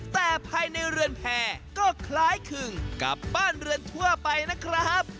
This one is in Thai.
แต่ภายในเรือนแพร่ก็คล้ายคึงกับบ้านเรือนทั่วไปนะครับ